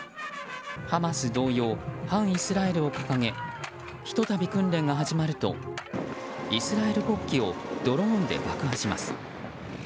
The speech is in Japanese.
ハマス同様、反イスラエルを掲げひと度、訓練が始まるとイスラエル国旗をドローンで爆破します。